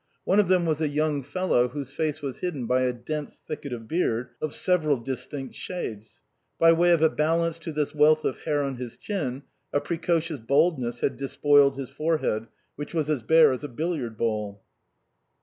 One of them was a young fellow whose face was hidden by a dense thicket of beard of several distinct shades. By way of a balance to this wealth of hair on his chin, a precocious bald ness had despoiled his forehead, which was as bare as a billiard ball.